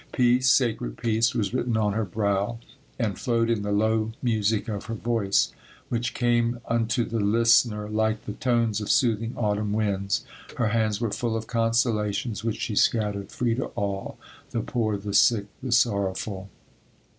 Peace, sacred peace, was written on her brow And flowed in the low music of her voice Which came unto the list'ner like the tones of soothing Autumn winds. Her hands were full of consolations which she scattered free to all the poor, the sick, the sorrowful."